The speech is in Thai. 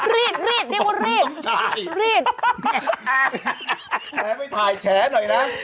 รีดรีดด้วยพ่อรีดตายไปถ่ายแฉะหน่อยนะ